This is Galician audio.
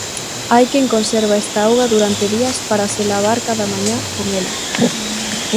Hai quen conserva esta auga durante días para se lavar cada mañá con ela.